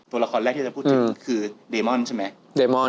ตัวละครแรกที่จะพูดถึงคือเดมอนใช่ไหมเดมอน